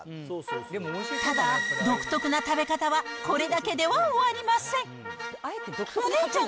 ただ、独特な食べ方は、これだけでは終わりません。